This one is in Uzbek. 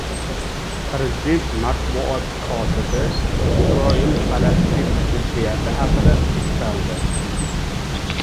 Prezident matbuot kotibi Isroil-Falastin ziddiyati haqida to‘xtaldi